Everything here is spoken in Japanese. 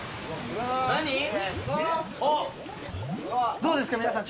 どうですか皆さん。